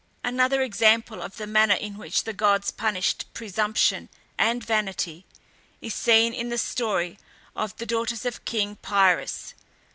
Another example of the manner in which the gods punished presumption and vanity is seen in the story of the daughters of King Pierus.